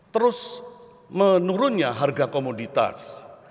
terus menurunnya harga komoditas